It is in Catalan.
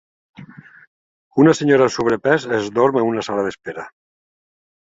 Una senyora amb sobrepès es dorm en una sala d'espera.